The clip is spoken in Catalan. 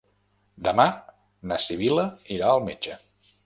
Demà na Sibil·la irà al metge.